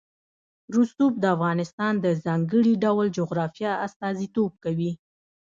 رسوب د افغانستان د ځانګړي ډول جغرافیه استازیتوب کوي.